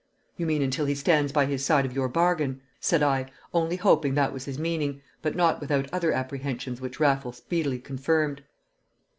"You mean until he stands by his side of your bargain?" said I, only hoping that was his meaning, but not without other apprehensions which Raffles speedily confirmed.